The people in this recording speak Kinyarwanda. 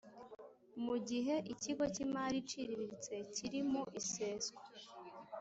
mu gihe ikigo cy imari iciriritse kiri mu iseswa